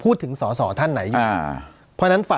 พูดถึงสอสอท่านไหนอยู่